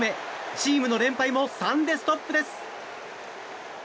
チームの連敗も３でストップです。